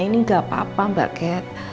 ini gak apa apa mbak kat